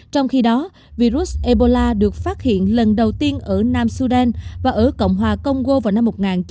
trong khi đó virus ebola được phát hiện lần đầu tiên ở nam sudan và ở cộng hòa congo vào năm một nghìn chín trăm bảy mươi